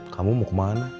kamu mau kemana